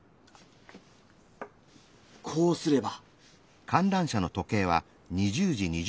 こうすれば。